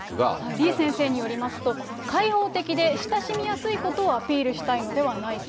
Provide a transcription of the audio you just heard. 李先生によりますと、開放的で親しみやすいことをアピールしたいのではないか。